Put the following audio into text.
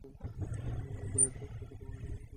কেবল একটা কথা কোনোদিন মনে কল্পনাও করতে পারি নি।